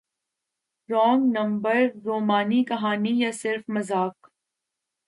wrong number رومانوی کہانی یا صرف مذاق